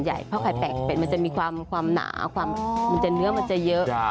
ส่วนใหญ่เพราะว่าใครแปลกเป็นมันจะมีความหนามันจะเนื้อมันจะเยอะ